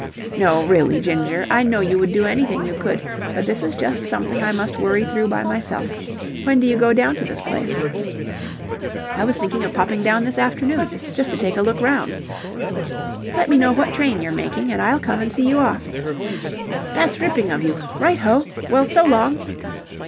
"No, really, Ginger, I know you would do anything you could, but this is just something I must worry through by myself. When do you go down to this place?" "I was thinking of popping down this afternoon, just to take a look round." "Let me know what train you're making and I'll come and see you off." "That's ripping of you. Right ho. Well, so long."